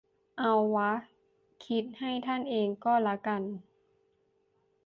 เอาวะ คิดให้ท่านเองก็ละกัน